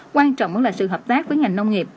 quan trọng là sự hợp tác với ngành nông nghiệp